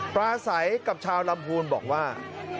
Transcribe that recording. ปลาใสกับชาวลำพูนบอกว่า